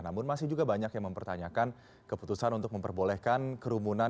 namun masih juga banyak yang mempertanyakan keputusan untuk memperbolehkan kerumunan